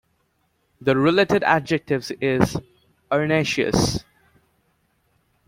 The related adjective is "arenaceous".